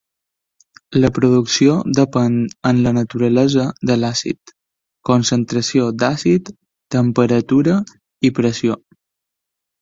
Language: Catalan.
La producció depèn en la naturalesa de l'àcid, concentració d'àcid, temperatura i pressió.